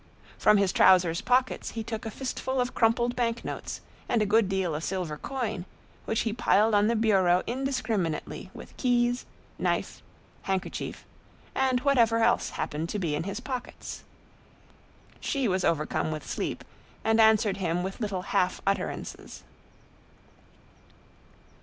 From his trousers pockets he took a fistful of crumpled bank notes and a good deal of silver coin, which he piled on the bureau indiscriminately with keys, knife, handkerchief, and whatever else happened to be in his pockets. She was overcome with sleep, and answered him with little half utterances.